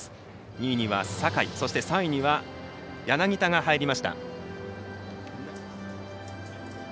２位には坂井３位には柳田が入りました。